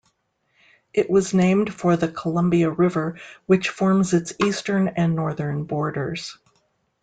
It was named for the Columbia River, which forms its eastern and northern borders.